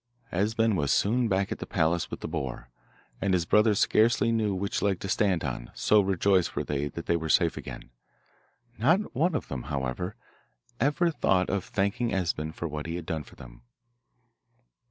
Esben was soon back at the palace with the boar, and his brothers scarcely knew which leg to stand on, so rejoiced were they that they were safe again. Not one of them, however, ever thought of thanking Esben for what he had done for them.